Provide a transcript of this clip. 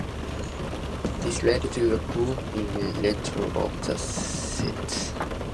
This led to a boom in rental of the sets.